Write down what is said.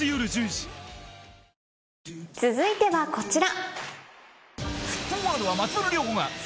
続いてはこちら。